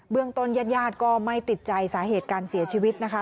เรื่องต้นญาติญาติก็ไม่ติดใจสาเหตุการเสียชีวิตนะคะ